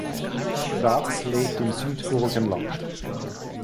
Dax lebt im Südburgenland.